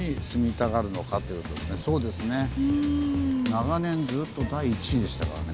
長年ずっと第１位でしたからね。